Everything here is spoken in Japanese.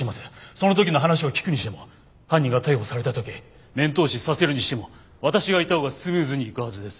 その時の話を聞くにしても犯人が逮捕された時面通しさせるにしても私がいたほうがスムーズにいくはずです。